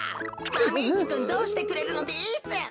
マメ１くんどうしてくれるのです？